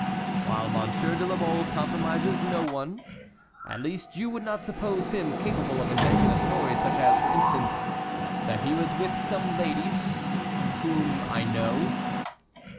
"While Monsieur de la Mole compromises no one; at least you would not suppose him capable of inventing a story such as, for instance, that he was with some ladies—whom I know?"